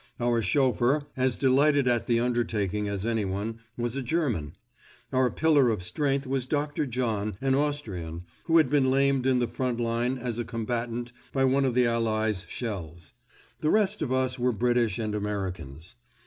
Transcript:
Our chauffeur, as delighted at the undertaking as anyone, was a German. Our pillar of strength was Dr. John, an Austrian, who had been lamed in the front line as a combatant by one of the Allies' shells. The rest of us were British and Americans.